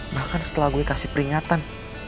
bahkan setelah gue kasih peringatan